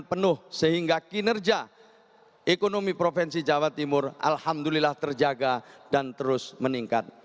penuh sehingga kinerja ekonomi provinsi jawa timur alhamdulillah terjaga dan terus meningkat